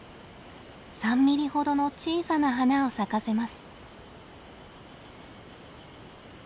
３ミリほどの小さな花を咲かせます。